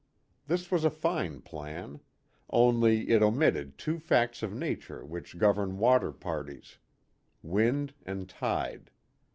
This was a fine plan. Only, it omitted two facts of nature which govern water parties wind and tide.